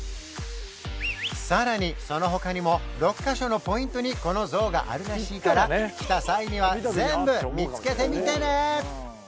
さらにその他にも６カ所のポイントにこの像があるらしいから来た際には全部見つけてみてね！